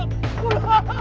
ibu ibu serahkan ibu